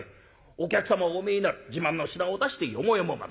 お客様がお見えになる自慢の品を出してよもやま話。